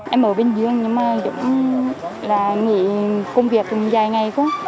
em ở bình dương nhưng mà cũng là nghỉ công việc dài ngày quá